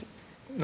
何